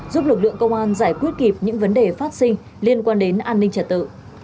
giúp lực lượng công an giải quyết kịp những vấn đề phát sinh liên quan đến an ninh trật tự